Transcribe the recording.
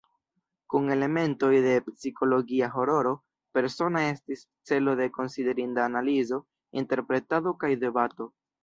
Kun elementoj de psikologia hororo, "Persona" estis celo de konsiderinda analizo, interpretado kaj debato.